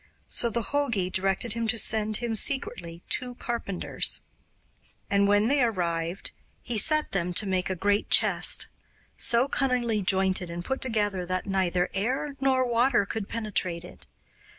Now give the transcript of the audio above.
So the jogi directed him to send him secretly two carpenters; and when they arrived he set them to make a great chest, so cunningly jointed and put together that neither air nor water could penetrate it.